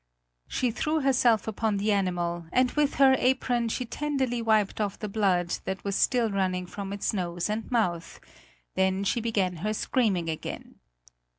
She threw herself upon the animal and with her apron she tenderly wiped off the blood that was still running from its nose and mouth; then she began her screaming again.